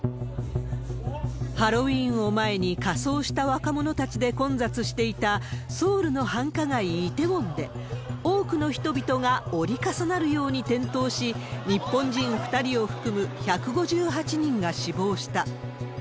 ハロウィーンを前に、仮装した若者たちで混雑していた、ソウルの繁華街、イテウォンで、多くの人々が折り重なるように転倒し、日本人２人を含む１５８人が死亡した。